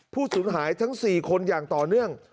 สูญหายทั้ง๔คนอย่างต่อเนื่อง